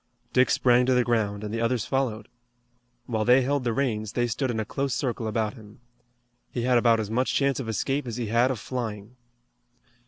Dick sprang to the ground, and the others followed. While they held the reins they stood in a close circle about him. He had about as much chance of escape as he had of flying.